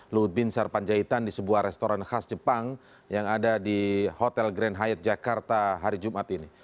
luhut bin sarpanjaitan di sebuah restoran khas jepang yang ada di hotel grand hyat jakarta hari jumat ini